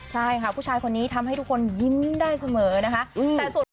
ใช่ค่ะผู้ชายคนนี้ทำให้ทุกคนยิ้มได้เสมอนะคะ